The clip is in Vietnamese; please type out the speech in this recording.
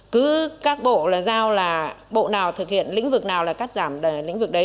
cứ các bộ là giao là bộ nào thực hiện lĩnh vực nào là cắt giảm lĩnh vực đấy